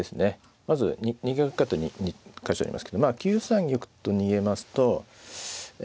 まず逃げ方２か所ありますけど９三玉と逃げますとえ